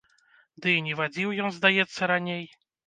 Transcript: Ды і не вадзіў ён здаецца раней.